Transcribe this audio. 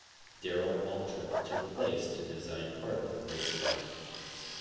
Darrell Waltrip took place to design part of the racetrack.